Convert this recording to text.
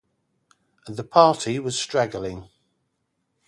The party was straggling.